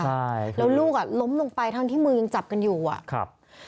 ใช่แล้วลูกอ่ะล้มลงไปทั้งที่มือยังจับกันอยู่อ่ะครับ